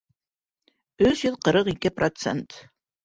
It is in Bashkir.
Өс йөҙ ҡырҡ ике процент